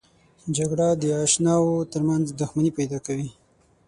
جګړه د اشناو ترمنځ دښمني پیدا کوي